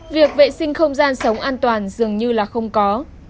việc vệ sinh không gian sống an toàn dường như là không có